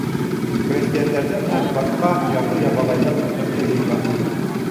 Крәҫтиәндәрҙән һәм башҡа ярлы-ябағайҙан ҙур ғәскәр йыйған.